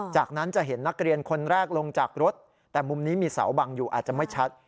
จากนั้นจะเห็นนักเรียนคนแรกลงจากรถแต่มุมนี้มีเสาบังอยู่อาจจะไม่ชัด